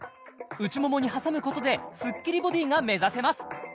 内ももに挟むことでスッキリボディが目指せます